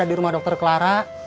ada di rumah dokter clara